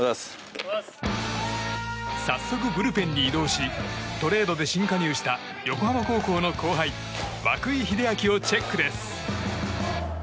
早速、ブルペンに移動しトレードで新加入した横浜高校の後輩涌井秀章をチェックです。